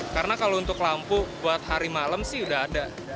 karena kalau untuk lampu buat hari malam sih udah ada